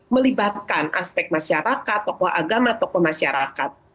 melibatkan aspek masyarakat tokoh agama tokoh masyarakat